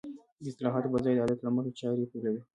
د اصلاحاتو په ځای د عادت له مخې چارې پيلوي.